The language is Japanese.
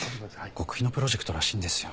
極秘のプロジェクトらしいんですよ。